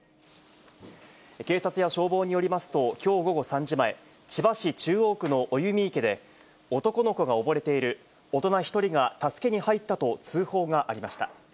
警察や消防によりますと、きょう午後３時前、千葉市中央区の生実池で、男の子が溺れている、大人１人が助けに入ったと通報がありました。